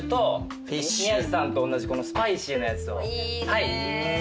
はい。